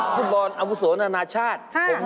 ฟุตบอลอาวุโสนานาชาติ